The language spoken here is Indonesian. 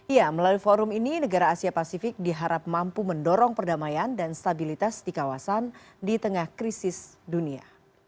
ya melalui forum ini negara asia pasifik diharap mampu mendorong perdamaian dan stabilitas di kawasan di tengah krisis dunia